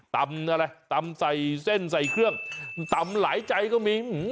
ตำอะไรตำใส่เส้นใส่เครื่องตำหลายใจก็มี